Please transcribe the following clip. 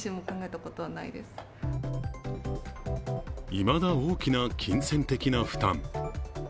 いまだ大きな金銭的な負担。